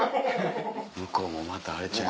向こうもまたあれちゃう？